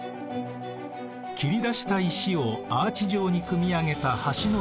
切り出した石をアーチ状に組み上げた橋の高さは４９ｍ。